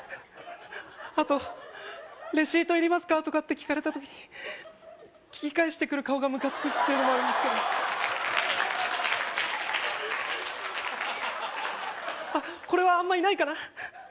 あと「レシートいりますか？」とかって聞かれた時に聞き返してくる顔がムカつくっていうのもありますけどあっこれはあんまりないかな